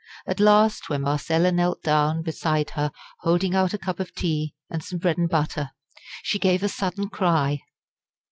At last when Marcella knelt down beside her holding out a cup of tea and some bread and butter, she gave a sudden cry.